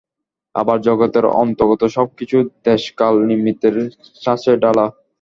আবার জগতের অন্তর্গত সব-কিছুই দেশ-কাল-নিমিত্তের ছাঁচে ঢালা।